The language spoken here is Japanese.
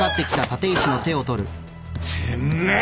てめえ！